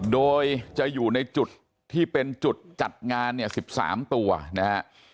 โดยจะอยู่ในจุดที่เป็นจุดจัดงาน๑๓ตัวนะครับ